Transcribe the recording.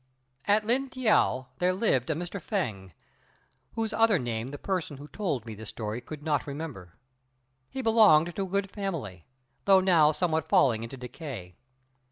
At Lin t'iao there lived a Mr. Fêng, whose other name the person who told me this story could not remember; he belonged to a good family, though now somewhat falling into decay.